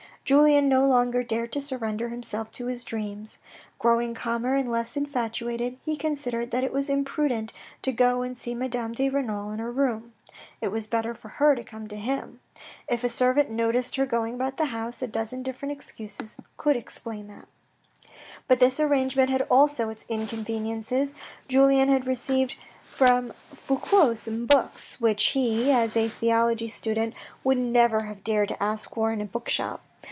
Julien no longer dared to surrender himself to his dreams. Growing calmer and less infatuated, he considered that it was imprudent to go and see Madame de Renal in her room. It was better for her to come to him. If a servant noticed her going about the house, a dozen different excuses could explain it. xoo THE RED AND THE BLACK But this arrangement had also its inconveniences. Julien had received from Fouque some books, which he, as a theology student would never have dared to ask for in a bookshop.